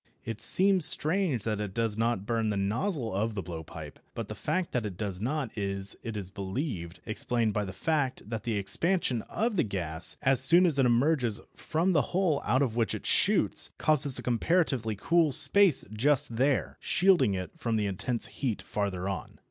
It seems strange that it does not burn the nozzle of the blowpipe, but the fact that it does not is, it is believed, explained by the fact that the expansion of the gas, as soon as it emerges from the hole out of which it shoots, causes a comparatively cool space just there, shielding it from the intense heat farther on.